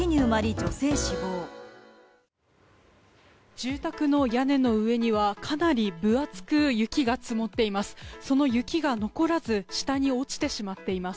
住宅の屋根の上にはかなり分厚く雪が積もっています。